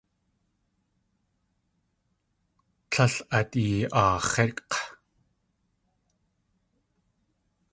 Líl át yi.aax̲ík̲!